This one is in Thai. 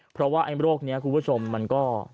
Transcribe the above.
เพราะว่าไอ้โรคนี้คุณผู้ชมมันก็